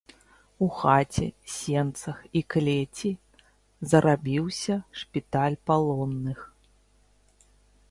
У хаце, сенцах і клеці зрабіўся шпіталь палонных.